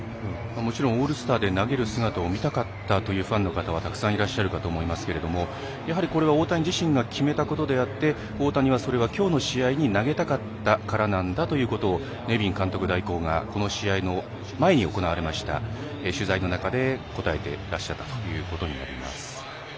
もちろんオールスターで投げる姿を見たかったというファンの方はたくさんいらっしゃるかと思いますがやはり、これは大谷自身が決めたことであって大谷はそれはきょうの試合で投げたかったからなんだということをネビン監督代行がこの試合の前に行われた取材の中で答えていらっしゃったということになります。